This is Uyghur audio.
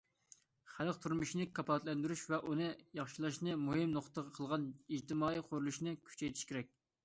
خەلق تۇرمۇشىنى كاپالەتلەندۈرۈش ۋە ئۇنى ياخشىلاشنى مۇھىم نۇقتا قىلغان ئىجتىمائىي قۇرۇلۇشنى كۈچەيتىش كېرەك.